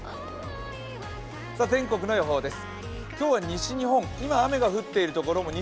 全国の予報です。